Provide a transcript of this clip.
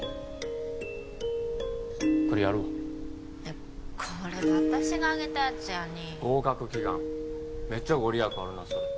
これやるわこれ私があげたやつやに合格祈願メッチャご利益あるなそれ